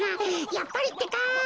やっぱりってか。